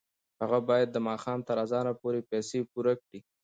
هغه باید د ماښام تر اذانه پورې پیسې پوره کړي.